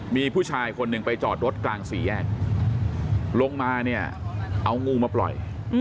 มีผู้ชายคนหนึ่งไปจอดรถกลางสี่แยกลงมาเนี่ยเอางูมาปล่อย